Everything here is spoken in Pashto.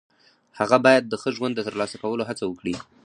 هغه باید د ښه ژوند د ترلاسه کولو هڅه وکړي.